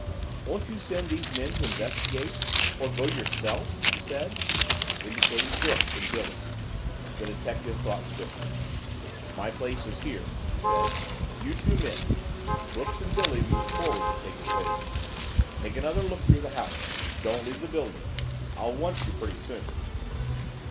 "Won't you send these men to investigate or go yourself?" she said, indicating Brooks and Billy. The detective thought swiftly. "My place is here," he said. "You two men," Brooks and Billy moved forward to take his orders, "take another look through the house don't leave the building I'll want you pretty soon."